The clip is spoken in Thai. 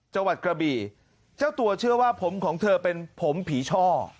จังหวัดกระบี่เจ้าตัวเชื่อว่าผมของเธอเป็นผมผีช่อ